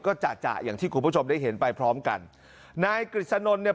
ก็จะจะอย่างที่คุณผู้ชมได้เห็นไปพร้อมกันนายกฤษนนท์เนี่ย